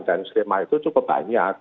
dan skema itu cukup banyak